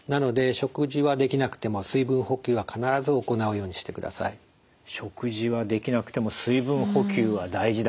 食事はできなくても水分補給は大事だ。